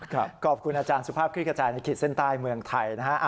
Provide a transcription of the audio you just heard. ขอบคุณอาจารย์สุภาพคลิกกระจายในขีดเส้นใต้เมืองไทยนะฮะ